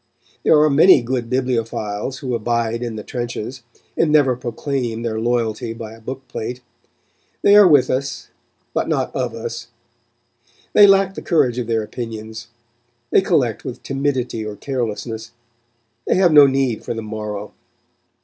There are many good bibliophiles who abide in the trenches, and never proclaim their loyalty by a book plate. They are with us, but not of us; they lack the courage of their opinions; they collect with timidity or carelessness; they have no need for the morrow.